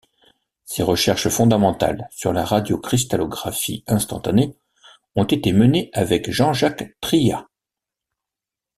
Ses recherches fondamentales sur la radiocristallographie instantanée ont été menées avec Jean-Jacques Trillat.